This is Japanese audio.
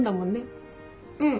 うん。